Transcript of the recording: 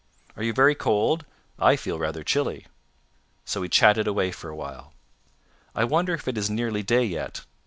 "Are you very cold? I feel rather chilly." So we chatted away for a while. "I wonder if it is nearly day yet.